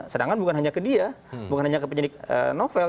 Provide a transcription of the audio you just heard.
sedangkan bukan hanya ke dia bukan hanya ke penyidik novel